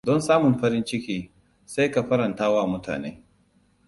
Don samun farin ciki, sai ka farantawa mutane.